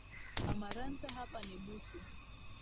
Amaranta, hapa ni busu.